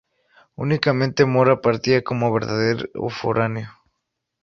Únicamente Mora partía como verdadero foráneo.